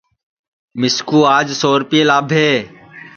مِسکُو آج سو ریپئے لاٻھے